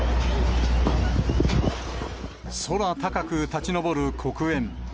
空高く立ち上る黒煙。